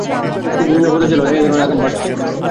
কিন্তু এ নীরবতা ছিল ঝড়ের আগাম বার্তা।